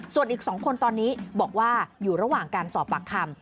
ส่วนอีก๒คนตอนนี้บอกว่าอยู่ระหว่างการสอบปากคำ